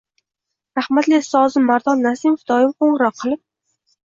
Rahmatli ustozim Mardon Nasimov doim qo’ng’iroq qilib